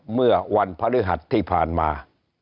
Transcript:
เมื่อวันพฤหัสที่ผ่านมา